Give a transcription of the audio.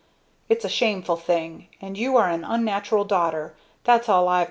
It's a shameful thing and you are an unnatural daughter that's all I've got to say!"